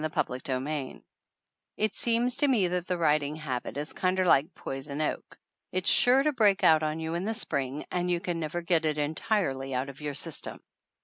53 CHAPTER XIII IT seems to me that the writing habit is kinder like poison oak; it's sure to break out on you in the spring, and you can never get it entirely out of your system.